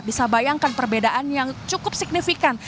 bisa bayangkan perbedaan yang cukup signifikan